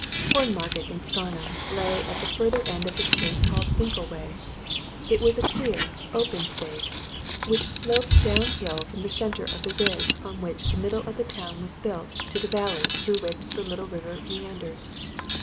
Cornmarket in Scarnham lay at the further end of the street called Finkleway. It was a queer, open space which sloped downhill from the centre of the ridge on which the middle of the town was built to the valley through which the little river meandered.